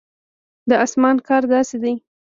د اسمان کار داسې دی.